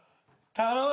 頼む。